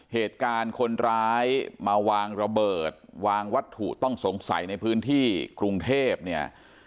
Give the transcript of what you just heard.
เหตุการณ์คนร้ายมาวางระเบิดวางวัตถุต้องสงสัยในพื้นที่กรุงเทพเนี่ย